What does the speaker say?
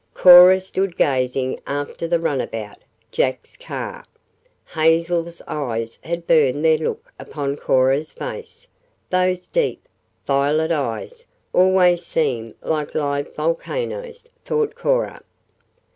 Cora stood gazing after the runabout Jack's car. Hazel's eyes had burned their look upon Cora's face those deep, violet eyes always seem like live volcanoes, thought Cora.